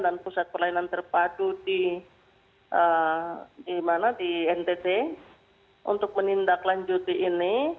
dan pusat pelayanan terpadu di ntt untuk menindaklanjuti ini